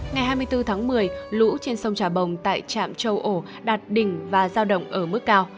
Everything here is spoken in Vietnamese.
ngày hai mươi bốn tháng một mươi lũ trên sông trà bồng tại trạm châu ổ đạt đỉnh và giao động ở mức cao